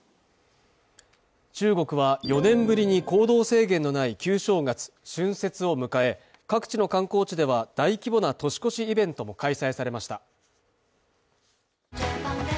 中国は４年ぶりに行動制限のない旧正月・春節を迎え、各地の観光地では大規模な年越しイベントも開催されました。